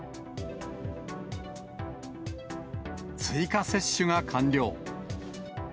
追加接種が完了。